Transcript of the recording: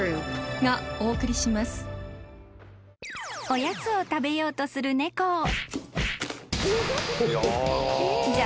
［おやつを食べようとする猫を］